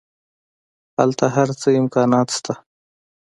هلته هر څه امکانات شته.